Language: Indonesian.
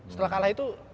setelah kalah itu